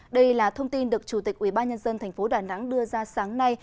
đây là thông tin được chủ tịch ubnd tp đà nẵng đưa ra sáng nay